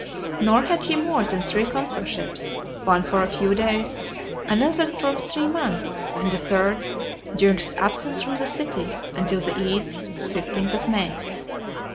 Nor had he more than three consulships; one for a few days, another for three months, and a third, during his absence from the city, until the ides [fifteenth] of May.